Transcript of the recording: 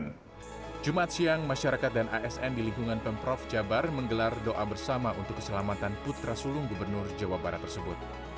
pada jumat siang masyarakat dan asn di lingkungan pemprov jabar menggelar doa bersama untuk keselamatan putra sulung gubernur jawa barat tersebut